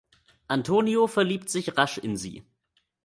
Antonio verliebt sich rasch in sie.